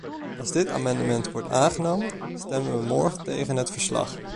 Als dit amendement wordt aangenomen, stemmen we morgen tegen het verslag.